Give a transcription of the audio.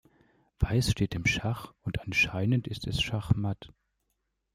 Weiß steht im Schach und anscheinend ist es Schachmatt.